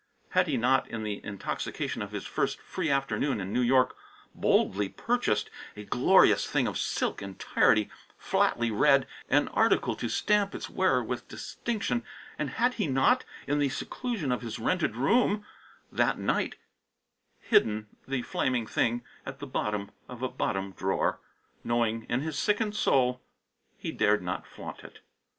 Had he not, in the intoxication of his first free afternoon in New York, boldly purchased a glorious thing of silk entirely, flatly red, an article to stamp its wearer with distinction; and had he not, in the seclusion of his rented room, that night hidden the flaming thing at the bottom of a bottom drawer, knowing in his sickened soul he dared not flaunt it?